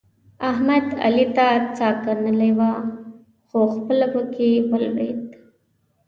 احمد؛ علي ته څا کنلې وه؛ خو خپله په کې ولوېد.